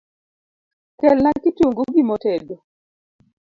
Kelna kitungu gi mo tedo